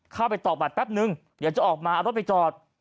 เข้าไปตอกบัตรแป๊บนึงเดี๋ยวจะออกมาเอารถไปจอด